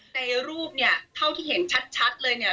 ในรูปเนี่ยเท่าที่เห็นชัดเลยเนี่ย